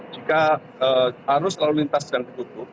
jika harus lalu lintas dan tertutup